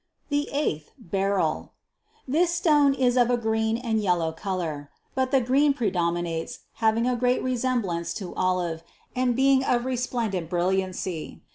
292. "The eighth, beryl." This stone is of a green and yellow color; but the green predominates, having a great resemblance to olive and being of resplendent bril liancy.